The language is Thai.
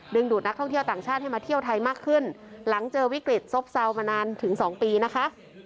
ดูดนักท่องเที่ยวต่างชาติให้มาเที่ยวไทยมากขึ้นหลังเจอวิกฤตซบเซามานานถึง๒ปีนะคะ